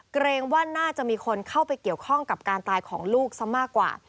เกรงว่าน่าจะมีคนเข้าไปเกี่ยวข้องกับการตายของลูกซะมากกว่า